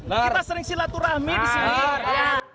kita sering silaturahmi di sini